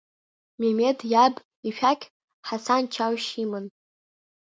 Мемед иаб ишәақь Ҳасан Чаушь иман.